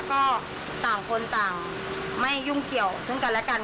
ก็ต่างคนต่างไม่ยุ่งเกี่ยวซึ่งกันและกัน